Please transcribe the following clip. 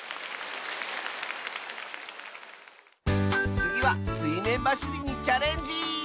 つぎはすいめんばしりにチャレンジ！